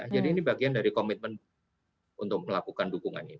jadi ini bagian dari komitmen untuk melakukan dukungan